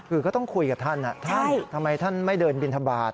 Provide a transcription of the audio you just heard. คือก็ต้องคุยกับท่านท่านทำไมท่านไม่เดินบินทบาท